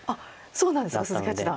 そうなんですか鈴木八段。